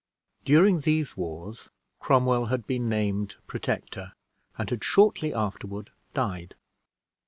During these wars, Cromwell had been named Protector, and had shortly afterward died.